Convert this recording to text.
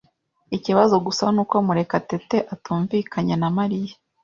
Ikibazo gusa nuko Murekatete atumvikanye na Mariya.